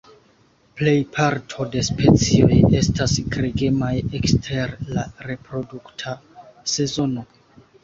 Plejparto de specioj estas gregemaj ekster la reprodukta sezono.